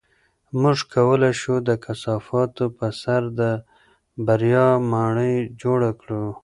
موږ کولی شو د کثافاتو په سر د بریا ماڼۍ جوړه کړو.